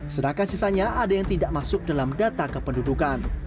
sedangkan sisanya ada yang tidak masuk dalam data kependudukan